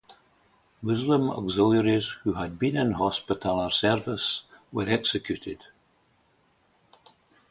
Muslim auxiliaries who had been in Hospitaller service were executed.